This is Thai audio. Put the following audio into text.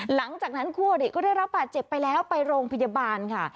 หลังจากนั้นคู่อริก็ได้รับบาดเจ็บไปแล้วไปโรงพยาบาลค่ะ